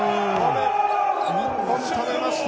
日本、止めました！